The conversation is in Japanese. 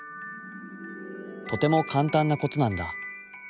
とてもかんたんなことなんだ。